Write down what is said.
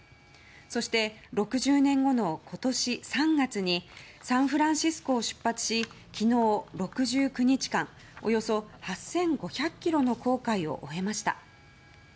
そして６０年後の今年３月にサンフランシスコを出発し昨日、６９日間およそ８５００ｋｍの航海を終えました。